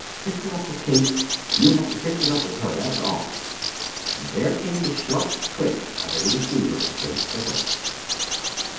Fix it up with Kate. You'll have to fix it up with her; that's all!" And there came the sharp click of the receiver against the hook.